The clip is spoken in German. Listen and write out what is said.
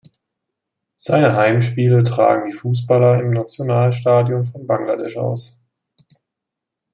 Seine Heimspiele tragen die Fußballer im Nationalstadion von Bangladesch aus.